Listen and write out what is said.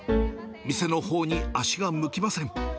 店のほうに足が向きません。